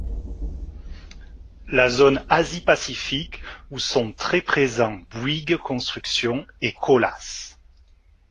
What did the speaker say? La zone Asie-Pacifique où sont très présents Bouygues Construction et Colas.